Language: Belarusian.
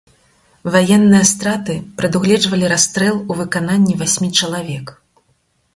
Ваенныя страты прадугледжвалі расстрэл у выкананні васьмі чалавек.